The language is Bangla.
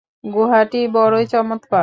গুহাটি বড়ই চমৎকার।